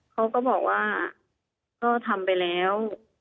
เขาก็บอกว่าก็ทำไปแล้ว